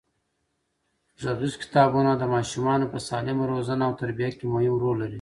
غږیز کتابونه د ماشومانو په سالمه روزنه او تربیه کې مهم رول لري.